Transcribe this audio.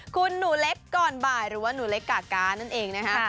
คุณหนูเล็กก่อนบ่ายหรือว่าหนูเล็กกาก๊านั่นเองนะฮะ